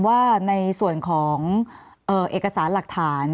ว่าในส่วนของเอกสารหลักฐาน